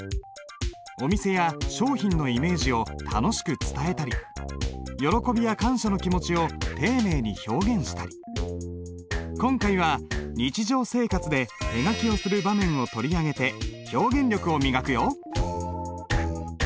お店や商品のイメージを楽しく伝えたり喜びや感謝の気持ちを丁寧に表現したり今回は日常生活で手書きをする場面を取り上げて表現力を磨くよ。